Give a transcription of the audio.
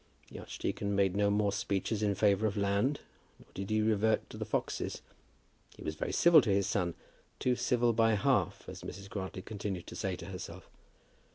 The archdeacon made no more speeches in favour of land, nor did he revert to the foxes. He was very civil to his son; too civil by half, as Mrs. Grantly continued to say to herself.